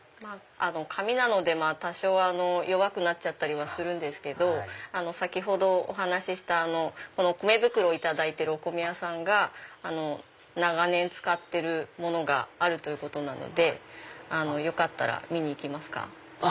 紙なので多少は弱くなったりはするんですけど先ほどお話しした米袋を頂いてるお米屋さんが長年使ってるものがあるのでよかったら見に行きますか？